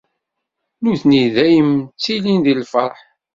Nutni dayem ttilin di lferḥ.